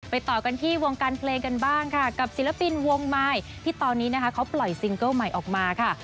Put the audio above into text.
ต่อกันที่วงการเพลงกันบ้างค่ะกับศิลปินวงมายที่ตอนนี้นะคะเขาปล่อยซิงเกิ้ลใหม่ออกมาค่ะ